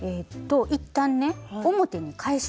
一旦ね表に返します。